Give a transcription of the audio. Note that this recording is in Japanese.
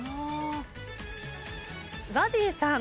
ＺＡＺＹさん。